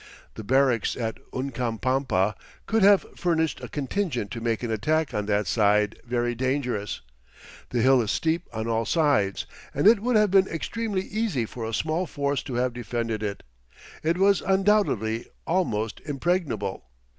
The barracks at Uncapampa could have furnished a contingent to make an attack on that side very dangerous. The hill is steep on all sides, and it would have been extremely easy for a small force to have defended it. It was undoubtedly "almost impregnable."